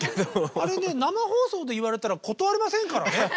あれね生放送で言われたら断れませんからね。